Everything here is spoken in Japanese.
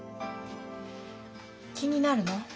気になるの？